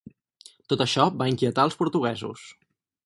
Tot això va inquietar als portuguesos.